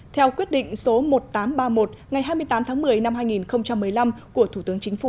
theo quyết định số một nghìn tám trăm ba mươi một ngày hai mươi tám tháng một mươi năm hai nghìn một mươi năm của thủ tướng chính phủ